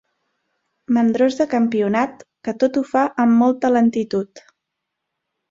Mandrós de campionat, que tot ho fa amb molta lentitud.